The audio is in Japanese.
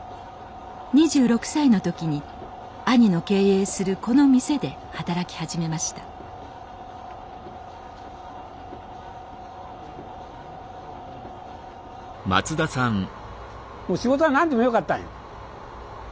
２６歳の時に兄の経営するこの店で働き始めました仕事は何でもよかったんよ。